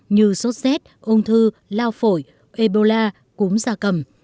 như sốt rét ôn thư lao phổi ebola cúm giả cầm